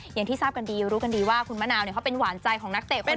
อย่างที่ทราบกันดีรู้กันดีว่าคุณมะนาวเขาเป็นหวานใจของนักเตะเป็น